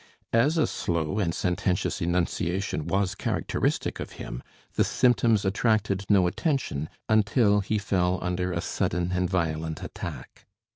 As a slow and sententious enunciation was characteristic of him, the symptoms attracted no attention, until he fell under a sudden and violent attack.